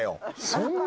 そんなに？